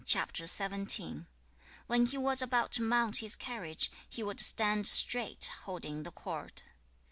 When he was about to mount his carriage, he would stand straight, holding the cord.